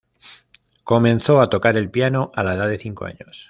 Comenzó a tocar el piano a la edad de cinco años.